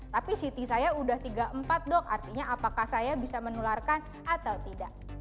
tapi ct saya sudah tiga empat dok artinya apakah saya bisa menularkan atau tidak